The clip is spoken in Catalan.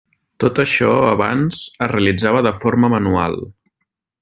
Tot això, abans es realitzava de forma manual.